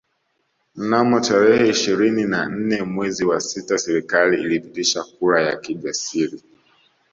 Mnamo tarehe ishirini na nne mwezi wa sita serikali ilipitisha kura ya kijasiri